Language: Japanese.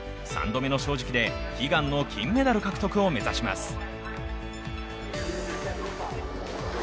三度目の正直で悲願の金メダル獲得を目指します。